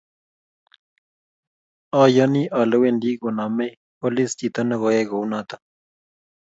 oyoni ale wendi konomei polis chito nekoyai kou noto